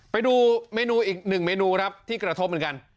ไปดูเมนูอีกหนึ่งเมนูครับที่กระทบเหมือนกัน